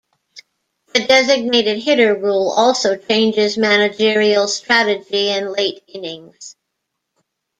The designated hitter rule also changes managerial strategy in late innings.